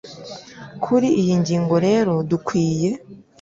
Kuri iyi ngingo rero dukwiye